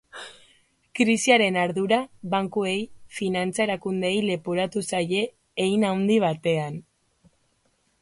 Krisiaren ardura, bankuei, finantza erakundeei leporatu zaie hein haundi batean.